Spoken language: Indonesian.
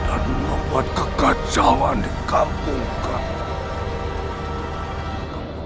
dan membuat kekacauan di kampung kalian